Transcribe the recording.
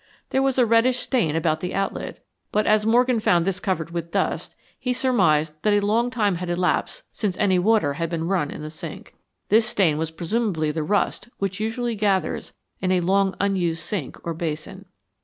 There was a reddish stain about the outlet, but as Morgan found this covered with dust he surmised that a long time had elapsed since any water had been run in the sink. This stain was presumably the rust which usually gathers in a long unused sink or basin.